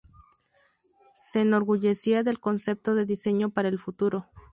Se enorgullecía del concepto de diseño para el futuro.